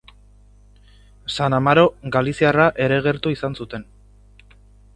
San Amaro galiziarra ere gertu izan zuten.